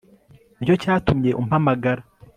nicyo cyatumye umpamagara